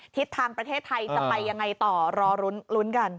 ทิศทางประเทศไทยจะไปยังไงต่อรอลุ้นกัน